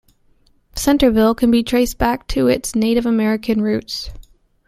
Centerville can be traced back to its native American roots.